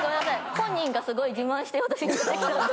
本人がすごい自慢して私に言ってきたんで。